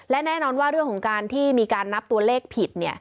และแน่นอนว่าเรื่องของการที่มีการนับตัวเลขผิด